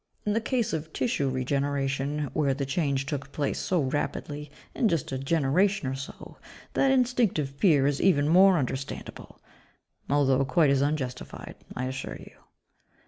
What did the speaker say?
In the case of tissue regeneration, where the change took place so rapidly, in just a generation or so, that instinctive fear is even more understandable although quite as unjustified, I assure you."